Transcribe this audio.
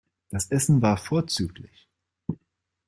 Das Essen war vorzüglich.